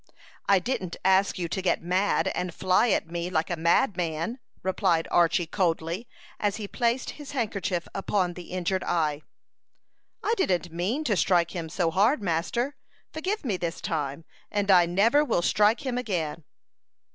"I didn't ask you to get mad, and fly at me like a madman," replied Archy, coldly, as he placed his handkerchief upon the injured eye. "I didn't mean to strike him so hard, master. Forgive me this time, and I never will strike him again."